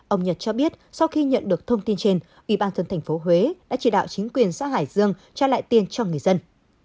ông nhật cho biết sau khi nhận được thông tin trên ủy ban dân thành phố huế đã chỉ đạo chính quyền xã hải dương trao lại tiền cho người dân